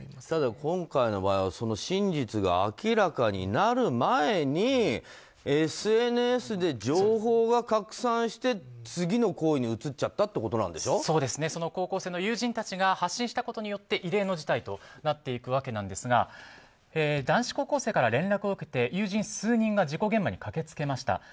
ただ今回の場合は真実が明らかになる前にＳＮＳで情報が拡散して次の行為に移っちゃったその高校生の友人たちが発信したことによって異例の事態となっていくわけなんですが男子高校生から連絡を受けて友人数人が事故現場に駆け付けました。